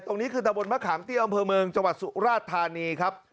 ตรงนี้คือตะบนมะขามตี้อำเภอเมืองจศุราษฐานีครับ